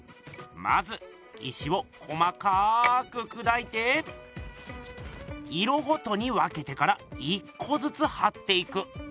まず石を細かくくだいて色ごとに分けてから１こずつはっていく。